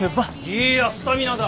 いいやスタミナだ！